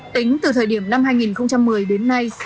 tính từ thời điểm năm hai nghìn một mươi đến nay